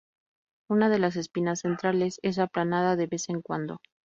Una de las espinas centrales es aplanada de vez en cuando.